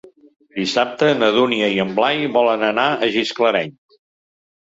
Dissabte na Dúnia i en Blai volen anar a Gisclareny.